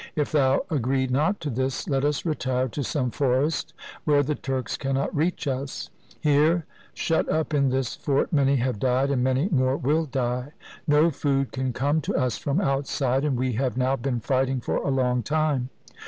If thou agree not to this, let us retire to some forest where the Turks cannot reach us. Here shut up in this fort many have died, and many more will die. No food can come to us from outside, and we have now been fighting for a long time.